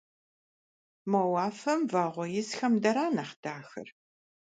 Мо уафэм вагъуэ исхэм дара нэхъ дахэр?